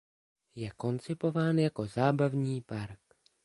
Je koncipován jako zábavní park.